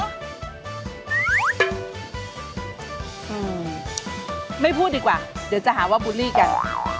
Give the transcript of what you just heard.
อืมไม่พูดดีกว่าเดี๋ยวจะหาว่าบูลลี่กัน